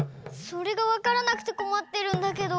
それがわからなくてこまってるんだけど。